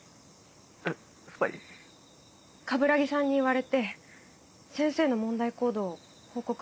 鏑木さんに言われて先生の問題行動を報告してました。